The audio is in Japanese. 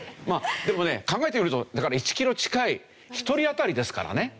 まあでもね考えてみるとだから１キロ近い１人あたりですからね。